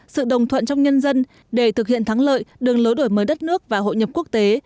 sự đồng thuận trong nhân dân để thực hiện thắng lợi đường lối đổi mới đất nước và hội nhập quốc tế